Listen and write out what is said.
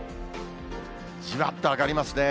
じわっと上がりますね。